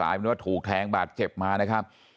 เป็นว่าถูกแทงบาดเจ็บมานะครับ